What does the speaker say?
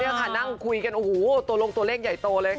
นี่ค่ะนั่งคุยกันโอ้โหตัวลงตัวเลขใหญ่โตเลยค่ะ